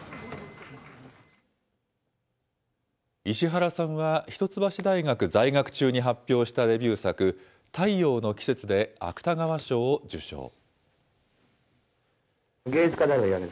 石原さんは一橋大学在学中に発表したデビュー作、太陽の季節で芥川賞を受賞。